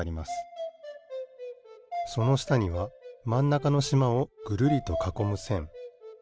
そのしたにはまんなかのしまをぐるりとかこむせん。